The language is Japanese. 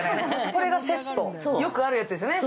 これがセット、よくあるやつですよね。